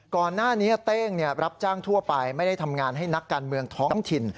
ก่อนหน้านี้เต้งรับจ้างทั่วไปไม่ได้ทำงานให้นักการเมืองท้องถิ่น